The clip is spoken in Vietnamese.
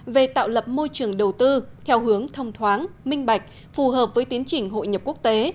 về tạo lập môi trường đầu tư theo hướng thông thoáng minh bạch phù hợp với tiến trình hội nhập quốc tế